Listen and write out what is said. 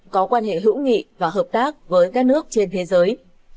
có quan hệ hữu nghị và hợp tác với các nước trên thế giới